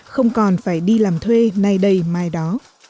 không còn phải đi làm thuê nay đây mai đó